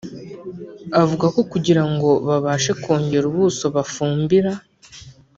avuga ko kugira ngo babashe kongera ubuso bafumbira